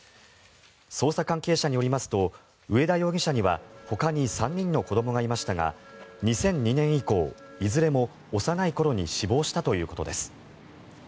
捜査関係者によりますと上田容疑者にはほかに３人の子どもがいましたが２００２年以降いずれも幼い頃に死亡したということです。